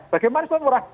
bagaimana itu murah